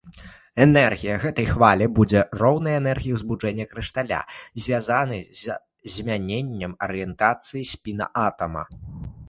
Энергія гэтай хвалі будзе роўная энергіі ўзбуджэння крышталя, звязанай з змяненнем арыентацыі спіна атама.